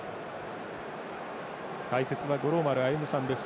解説は五郎丸歩さんです。